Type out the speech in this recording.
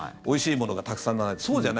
おいしいものがたくさん並んでいる。